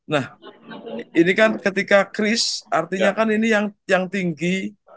nah ini kan ketika kris artinya kan ini yang tinggi